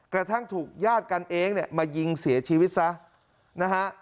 กระทั่งถูกญาติกันเองเนี่ยมายิงเสียชีวิตซะนะฮะ